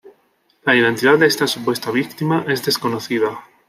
La identidad de esta supuesta víctima es desconocida.